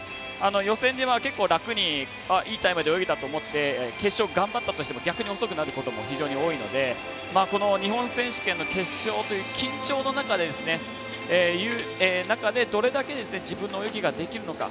予選では結構、楽にいいタイムで泳げたと思って決勝、頑張ったとしても逆に遅くなることも多いので日本選手権の決勝という緊張感の中でどれだけ自分の泳ぎができるのか。